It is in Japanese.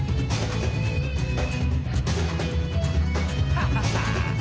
ハハハ！